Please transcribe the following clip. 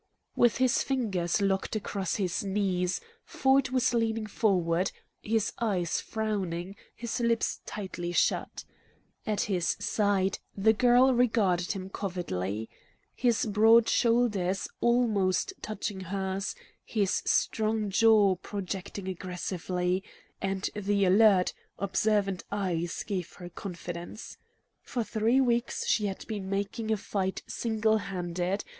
With his fingers locked across his knees, Ford was leaning forward, his eyes frowning, his lips tightly shut. At his side the girl regarded him covertly. His broad shoulders, almost touching hers, his strong jaw projecting aggressively, and the alert, observant eyes gave her confidence. For three weeks she had been making a fight single handed.